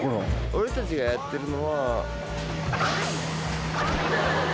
俺たちがやってるのは。